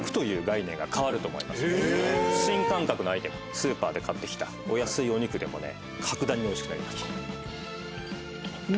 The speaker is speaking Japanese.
スーパーで買ってきたお安いお肉でも格段においしくなります。